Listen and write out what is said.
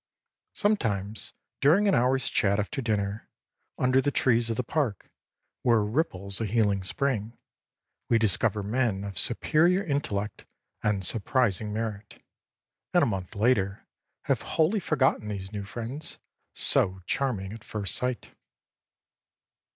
Sometimes during an hourâs chat after dinner, under the trees of the park, where ripples a healing spring, we discover men of superior intellect and surprising merit, and a month later have wholly forgotten these new friends, so charming at first sight.